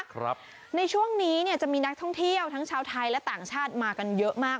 ครับในช่วงนี้เนี่ยจะมีนักท่องเที่ยวทั้งชาวไทยและต่างชาติมากันเยอะมาก